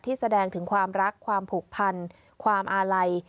แสดงถึงความรักความผูกพันความอาลัย